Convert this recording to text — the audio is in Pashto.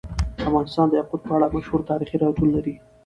افغانستان د یاقوت په اړه مشهور تاریخی روایتونه لري.